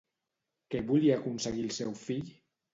Què volia aconseguir el seu fill?